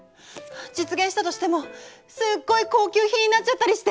実現したとしてもすっごい高級品になっちゃったりして！